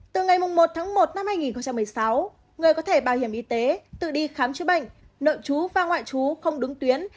từ ngày một một hai nghìn một mươi sáu người có thể bảo hiểm y tế tự đi khám chứa bệnh nợ chú và ngoại chú không đúng tuyến